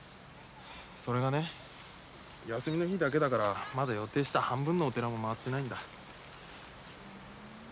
それがね休みの日だけだからまだ予定した半分のお寺も回ってないんだ。